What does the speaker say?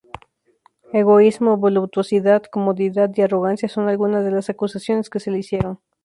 Egoísmo, voluptuosidad, comodidad y arrogancia son algunas de las acusaciones que se le hicieron.